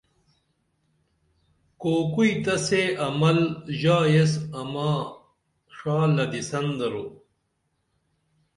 کوکوئی تہ سے عمل ژا ایس اما ݜا لدیسن درو